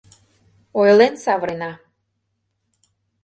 Ойлен савырена.